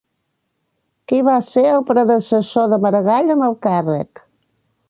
Qui va ser el predecessor de Maragall en el càrrec?